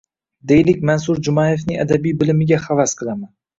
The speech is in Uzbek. Deylik, Mansur Jumayevning adabiy bilimiga havas qilaman.